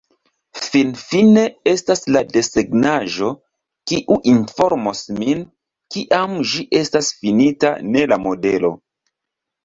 Finfine estas la desegnaĵo, kiu informos min, kiam ĝi estas finita, ne la modelo.